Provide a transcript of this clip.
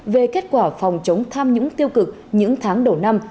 về kết quả phòng chống tham nhũng tiêu cực những tháng đầu năm